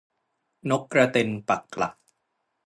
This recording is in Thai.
นกกระเต็นปักหลัก